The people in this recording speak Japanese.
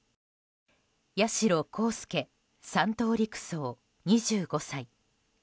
八代航佑３等陸曹、２５歳。